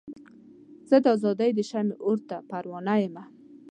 زه د ازادۍ د شمعې اور ته پروانه یمه.